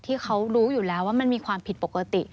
ที่เขารู้อยู่แล้วว่ามันมีความผิดปกติ